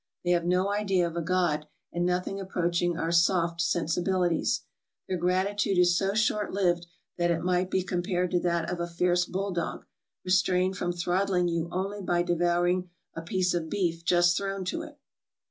They have no idea of a God, and nothing approaching our soft sensibili ties. Their gratitude is so short lived that it might be com pared to that of a fierce bull dog restrained from throttling you only by devouring a piece of beef just thrown to it.